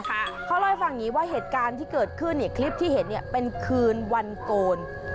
เขาเล่าให้ฟังอย่างนี้ว่าเหตุการณ์ที่เกิดขึ้นคลิปที่เห็นเป็นคืนวันโกน